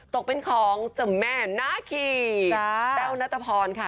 ตกเป็นของเจ้าแม่นาคีแต้วนัตรพรค่ะ